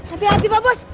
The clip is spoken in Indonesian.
hati hati pak bos